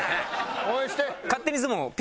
応援して！